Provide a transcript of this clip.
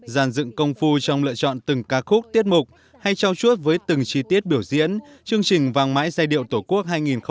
giàn dựng công phu trong lựa chọn từng ca khúc tiết mục hay trao chuốc với từng chi tiết biểu diễn chương trình vang mãi giai điệu tổ quốc hai nghìn hai mươi bốn